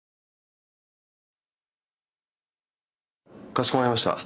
かしこまりました。